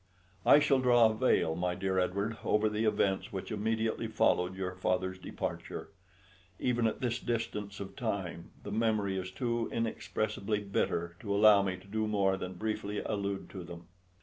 I shall draw a veil, my dear Edward, over the events which immediately followed your father's departure. Even at this distance of time the memory is too inexpressibly bitter to allow me to do more than briefly allude to them.